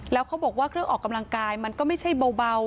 แล้วเขาบอกว่าเครื่องออกกำลังกายมันก็ไม่ใช่เบา